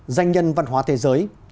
danh nhân văn hóa thế giới